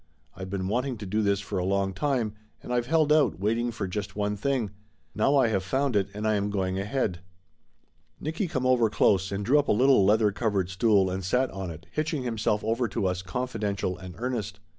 I've been wanting to do this for a long time, and I've held out, waiting for just one thing. Now I have found it, and I am going ahead." Nicky come over close and drew up a little leather covered stool and sat on it, hitching himself over to us confidential and earnest.